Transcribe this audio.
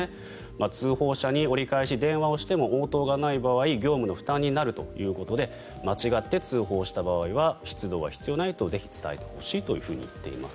通報者に折り返し電話をしても応答がない場合業務の負担になるということで間違って通報した場合は出動は必要ないとぜひ伝えてほしいと言っています。